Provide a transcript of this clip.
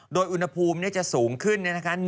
โดยอุณหภูมิเนี่ยจะสูงขึ้น